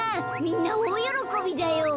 みんなおおよろこびだよ。